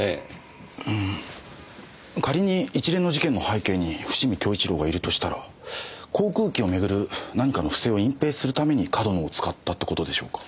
ん仮に一連の事件の背景に伏見享一良がいるとしたら航空機をめぐる何かの不正を隠蔽するために上遠野を使ったって事でしょうか。